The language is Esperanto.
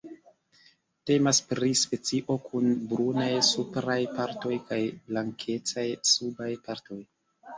Temas pri specio kun brunaj supraj partoj kaj blankecaj subaj partoj.